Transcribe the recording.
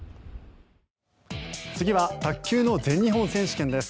次は卓球の全日本選手権です。